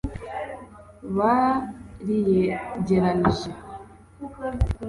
bariyegeranije